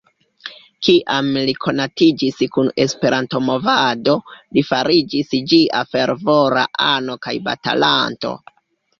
Kiam li konatiĝis kun Esperanto-movado, li fariĝis ĝia fervora ano kaj batalanto.